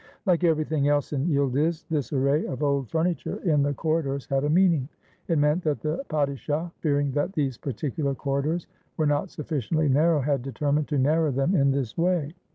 Like everything else in Yildiz, this array of old furni ture in the corridors had a meaning. It meant that the padishah, fearing that these particular corridors were not sufficiently narrow, had determined to narrow them 535 TURKEY in this way.